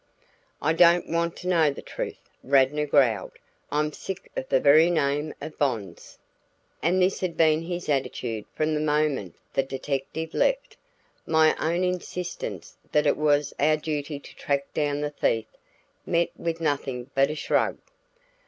"I don't want to know the truth," Radnor growled. "I'm sick of the very name of bonds." And this had been his attitude from the moment the detective left. My own insistence that it was our duty to track down the thief met with nothing but a shrug.